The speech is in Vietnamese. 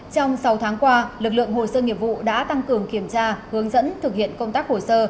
trong sáu tháng qua lực lượng hồ sơ nghiệp vụ đã tăng cường kiểm tra hướng dẫn thực hiện công tác hồ sơ